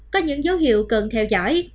có những dấu hiệu cần theo dõi